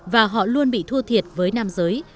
và họ luôn bị thua thiệt với nam giới